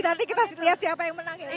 nanti kita lihat siapa yang menangin